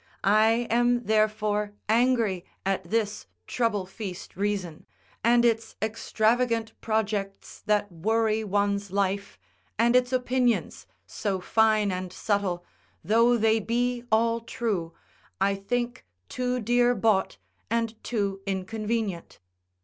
I am therefore angry at this trouble feast reason, and its extravagant projects that worry one's life, and its opinions, so fine and subtle, though they be all true, I think too dear bought and too inconvenient.